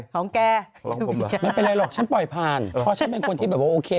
ของผมเหรอไม่เป็นไรหรอกฉันปล่อยผ่านเพราะฉันเป็นคนที่โอเค